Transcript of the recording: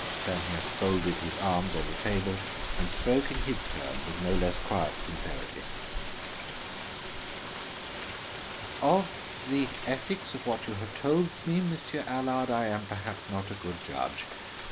Stanief folded his arms on the table and spoke in his turn with no less quiet sincerity. "Of the ethics of what you have told me, Monsieur Allard, I am perhaps not a good judge.